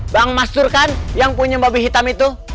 bang mas dur kan yang punya babi hitam itu